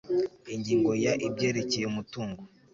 Ingingo ya Ibyerekeye umutungo